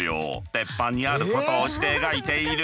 鉄板にあることをして描いている。